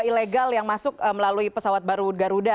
ada yang ilegal yang masuk melalui pesawat baru garuda